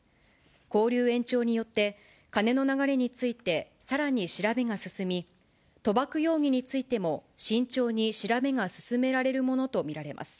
勾留延長によって、金の流れについて、さらに調べが進み、賭博容疑についても慎重に調べが進められるものと見られます。